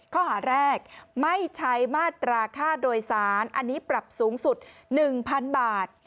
ข้อหาแรกไม่ใช้มาตราค่าโดยสารอันนี้ปรับสูงสุด๑๐๐๐บาท